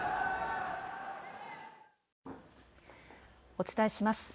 お伝えします。